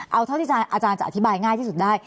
เอาเท่าที่อาจารย์จะอธิบายง่ายที่สุดได้